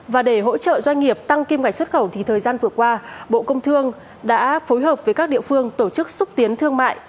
và để hỗ trợ doanh nghiệp tăng kim ngạch xuất khẩu thì thời gian vừa qua bộ công thương đã phối hợp với các địa phương tổ chức xúc tiến thương mại